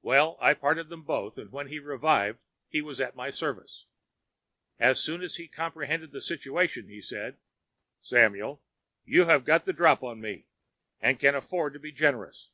Well, I parted them both, and when he revived he was at my service. As soon as he comprehended the situation, he said: "'Samuel, you have got the drop on me and can afford to be generous.